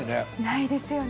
ないですよね。